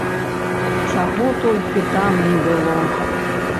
Чаго толькі там не было!